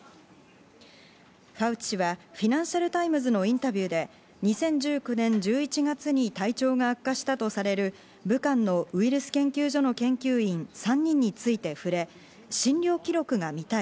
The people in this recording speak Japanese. ファウチ氏はフィナンシャル・タイムズのインタビューで２０１９年１１月に体調が悪化したとされる武漢のウイルス研究所の研究員３人について触れ、診療記録が見たい。